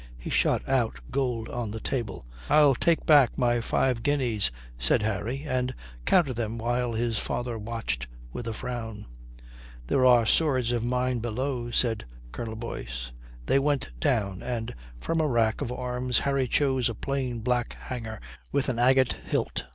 He shot out gold on the table. "I'll take back my five guineas," said Harry, and counted them, while his father watched with a frown. "There are swords of mine below," said Colonel Boyce. They went down and from a rack of arms Harry chose a plain black hanger with an agate hilt.